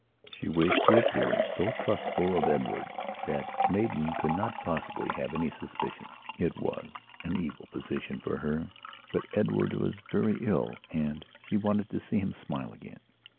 She wished to appear so trustful of Edward that Maidan could not possibly have any suspicions. It was an evil position for her. But Edward was very ill and she wanted to see him smile again.